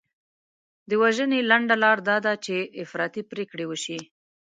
د وژنې لنډه لار دا ده چې افراطي پرېکړې وشي.